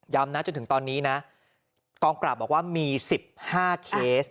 นะจนถึงตอนนี้นะกองปราบบอกว่ามี๑๕เคส